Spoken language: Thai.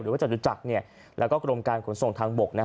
ว่าจตุจักรแล้วก็กรมการขนส่งทางบก